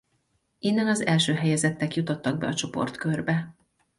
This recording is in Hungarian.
Innen az első helyezettek jutottak be a csoportkörbe.